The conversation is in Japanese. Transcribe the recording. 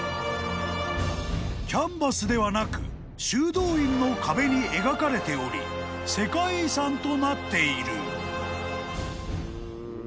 ［キャンバスではなく修道院の壁に描かれており世界遺産となっている］